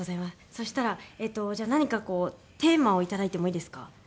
そしたらえっとじゃあ何かこうテーマをいただいてもいいですか？